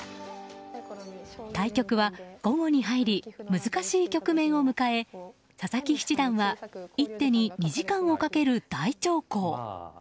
対局は午後に入り難しい局面を迎え佐々木七段は１手に２時間をかける大長考。